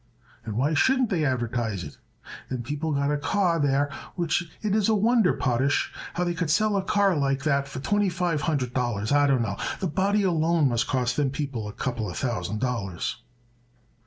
And why shouldn't they advertise it? Them people got a car there which it is a wonder, Potash. How they could sell a car like that for twenty five hundred dollars I don't know. The body alone must cost them people a couple of thousand dollars."